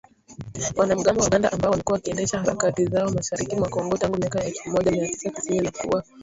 Wanamgambo wa Uganda ambao wamekuwa wakiendesha harakati zao mashariki mwa Kongo tangu miaka ya elfu moja mia tisa tisini na kuua raia wengi